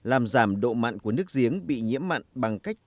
làm giảm độ mặn của nước giếng bị nhiễm mặn bằng cách